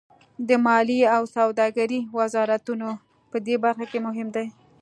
د مالیې او سوداګرۍ وزارتونه پدې برخه کې مهم دي